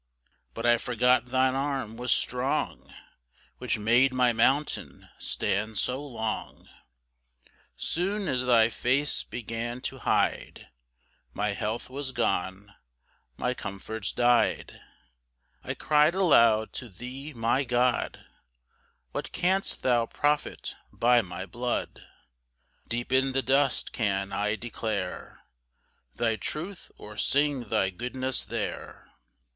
2 But I forgot thine arm was strong, Which made my mountain stand so long; Soon as thy face began to hide, My health was gone, my comforts dy'd. 3 I cry'd aloud to thee, my God, "What canst thou profit by my blood? "Deep in the dust can I declare "Thy truth, or sing thy goodness there?